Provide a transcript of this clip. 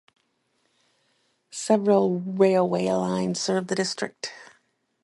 Several railway lines serve the district.